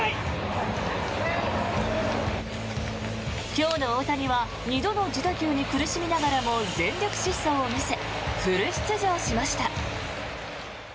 今日の大谷は２度の自打球に苦しみながらも全力疾走を見せフル出場しました。